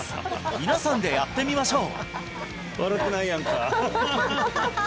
皆さんでやってみましょう！